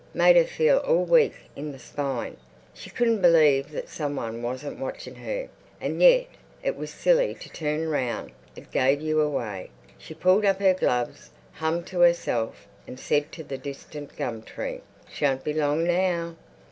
Made her feel all weak in the spine. She couldn't believe that some one wasn't watching her. And yet it was silly to turn round; it gave you away. She pulled up her gloves, hummed to herself and said to the distant gum tree, "Shan't be long now."